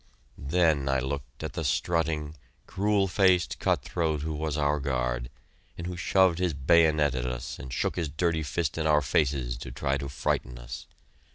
Then I looked at the strutting, cruel faced cut throat who was our guard, and who shoved his bayonet at us and shook his dirty fist in our faces to try to frighten us.